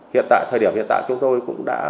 hiện tại thời điểm hiện tại chúng tôi cũng đã